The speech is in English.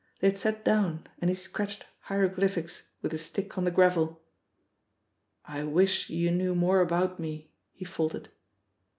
They had sat down, and he scratched hieroglyphics with his stick on the gravel. "I wish you knew; more about me/' he faltered.